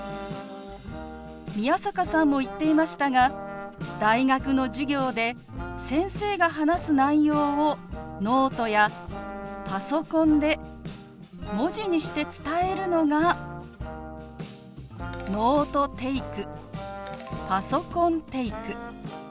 宮坂さんも言っていましたが大学の授業で先生が話す内容をノートやパソコンで文字にして伝えるのが「ノートテイク」「パソコンテイク」。